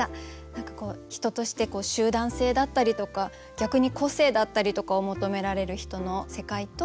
何かこう人として集団性だったりとか逆に個性だったりとかを求められる人の世界と鳥の世界。